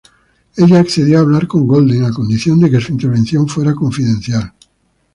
Ella accedió a hablar con Golden a condición de que su intervención fuera confidencial.